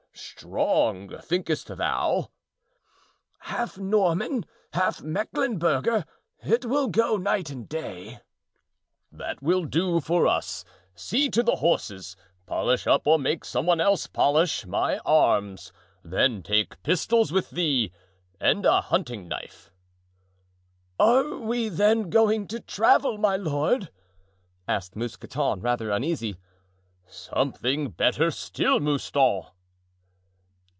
"Strong, thinkest thou?" "Half Norman, half Mecklenburger; will go night and day." "That will do for us. See to these horses. Polish up or make some one else polish my arms. Then take pistols with thee and a hunting knife." "Are we then going to travel, my lord?" asked Mousqueton, rather uneasy. "Something better still, Mouston."